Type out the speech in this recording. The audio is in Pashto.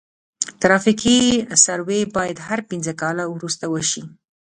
ترافیکي سروې باید هر پنځه کاله وروسته وشي